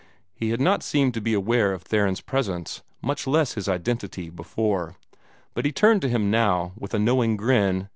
He had not seemed to be aware of Theron's presence, much less his identity, before; but he turned to him now with a knowing grin.